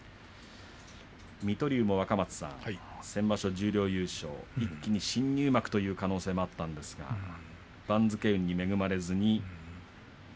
水戸龍も先場所、十両優勝一気に新入幕へという可能性もあったんですが番付の運に恵まれませんでした。